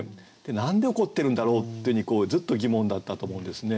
何で怒ってるんだろう？っていうふうにずっと疑問だったと思うんですね。